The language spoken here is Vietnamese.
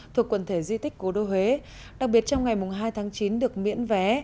thuộc quần thể di tích cố đô huế đặc biệt trong ngày hai tháng chín được miễn vé